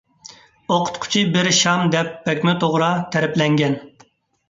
«ئوقۇتقۇچى بىر شام» دەپ بەكمۇ توغرا تەرىپلەنگەن.